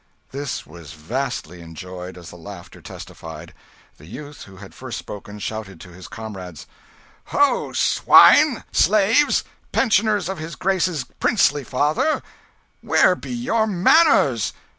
This was vastly enjoyed, as the laughter testified. The youth who had first spoken, shouted to his comrades "Ho, swine, slaves, pensioners of his grace's princely father, where be your manners?